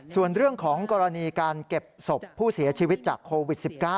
ส่วนเรื่องของกรณีการเก็บศพผู้เสียชีวิตจากโควิด๑๙